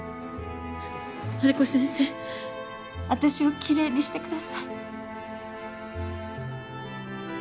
ハルコ先生あたしをきれいにしてください